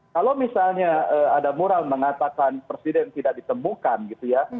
kalau misalnya ada moral mengatakan presiden tidak ditemukan gitu ya